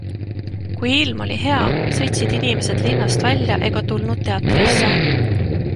Kui ilm oli hea, sõitsid inimesed linnast välja ega tulnud teatrisse.